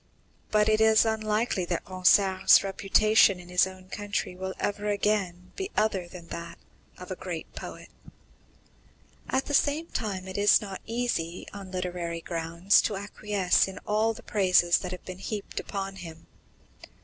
But it is unlikely that Ronsard's reputation in his own country will ever again be other than that of a great poet. At the same time, it is not easy, on literary grounds, to acquiesce in all the praises that have been heaped upon him.